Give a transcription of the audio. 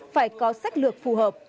phải có sách lược phù hợp